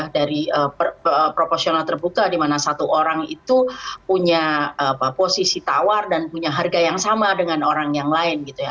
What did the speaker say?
dari proporsional terbuka di mana satu orang itu punya posisi tawar dan punya harga yang sama dengan orangnya